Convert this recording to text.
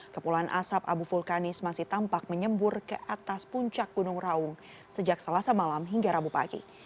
kepulan asap abu vulkanis masih tampak menyembur ke atas puncak gunung raung sejak selasa malam hingga rabu pagi